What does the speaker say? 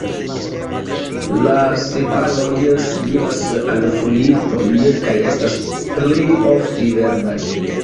La sepaloj similas al folietoj, kaj estas plejofte verdaj.